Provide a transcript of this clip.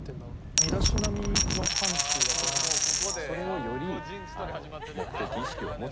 身だしなみの範疇だと思うんですけど。